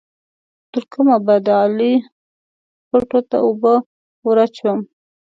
تر کومه به د علي خوټو ته اوبه ور اچوم؟